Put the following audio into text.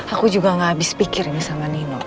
aku juga gak habis pikir ini sama nino